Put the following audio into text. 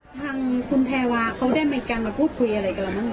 ทางคุณแทวาเขาได้มีการมาพูดคุยอะไรกันหรือ